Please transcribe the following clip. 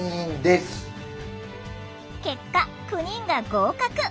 結果９人が合格。